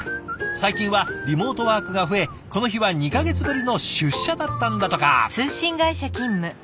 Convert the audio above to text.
最近はリモートワークが増えこの日は２か月ぶりの出社だったんだとか。